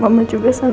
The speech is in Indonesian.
mama juga senang